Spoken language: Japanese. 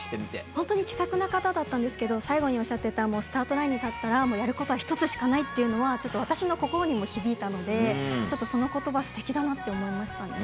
本当に気さくな方だったんですけど、最後におっしゃってた、スタートラインに立ったら、やることは一つしかないというのは、ちょっと私の心にも響いたので、ちょっとそのことば、すてきだなと思いましたね。